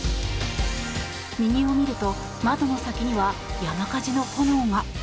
右を見ると窓の先には山火事の炎が。